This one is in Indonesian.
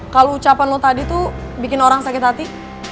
kalau ucapan lo tadi tuh bikin orang sakit hati